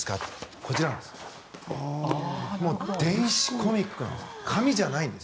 こちら、電子コミックなんです。